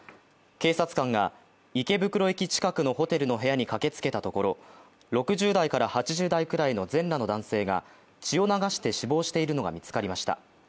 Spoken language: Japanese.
警察官が、池袋駅近くのホテルの部屋に駆けつけたところ６０代から８０代ぐらいの全裸の男性が血を流して死亡しているのが見つかりました。